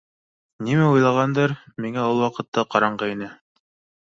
Нимә уйлағандыр, миңә ул ваҡытта ҡараңғы ине.